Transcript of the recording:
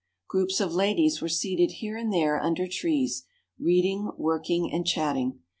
Groups of ladies were seated here and there under trees, reading, working, and chatting.